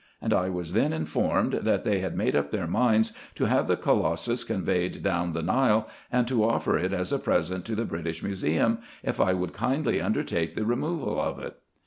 and I was then informed, that they had made up their minds to have the colossus conveyed down the Nile, and to offer it as a present to the British Museum, if I would kindly undertake the removal of it.